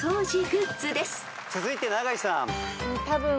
続いて永井さん。